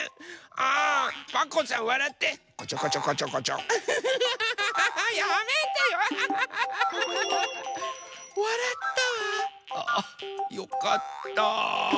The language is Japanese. ああよかった。